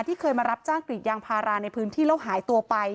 เคยมารับจ้างกรีดยางพาราในพื้นที่แล้วหายตัวไป